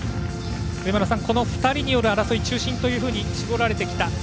上村さん、この２人による争い中心というふうに絞られてきた。